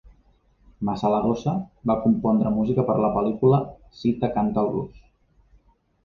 Masaladosa va compondre música per a la pel·lícula "Sita canta el blues".